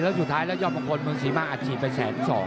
แล้วสุดท้ายแล้วยอมงคลเมืองศีมะอาจจีบไปแสนสอง